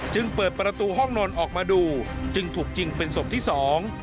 จึงเปิดประตูห้องนอนออกมาดูจึงถูกยิงเป็นศพที่สอง